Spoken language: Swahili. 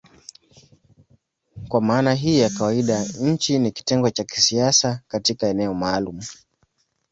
Kwa maana hii ya kawaida nchi ni kitengo cha kisiasa katika eneo maalumu.